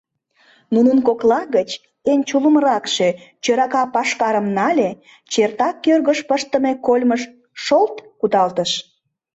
Нунын кокла гыч эн чулымракше чӧрака пашкарым нале, черта кӧргыш пыштыме кольмыш шолт! кудалтыш.